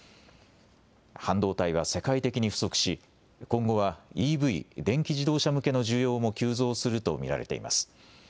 半導体は世界的に不足し今後はＥＶ・電気自動車向けの需要も急増すると見られています。